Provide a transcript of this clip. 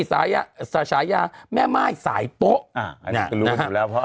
สาชายะแม่ไม่สายโต๊ะ